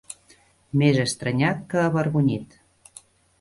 Més estranyat que avergonyit.